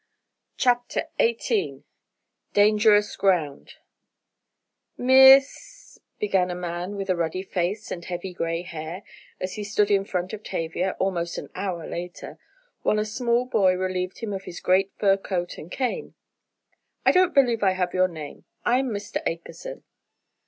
CHAPTER XVIII DANGEROUS GROUND "Miss——," began a man with a ruddy face and heavy gray hair, as he stood in front of Tavia, almost an hour later, while a small boy relieved him of his great fur coat and cane. "I don't believe I have your name. I'm Mr. Akerson."